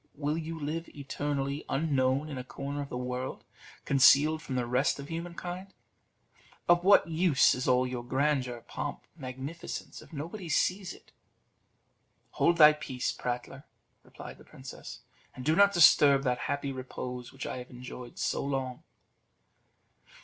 Will you live eternally unknown in a corner of the world, concealed from the rest of human kind? Of what use is all your grandeur, pomp, magnificence, if nobody sees it?" "Hold thy peace, prattler," replied the princess, "and do not disturb that happy repose which I have enjoyed so long."